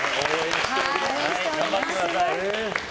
頑張ってください。